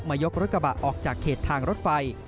ยกรถกระบะออกจากเขตทางรถไฟ